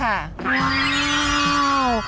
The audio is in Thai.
ว้าว